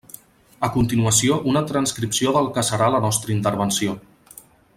A continuació una transcripció del que serà la nostra intervenció.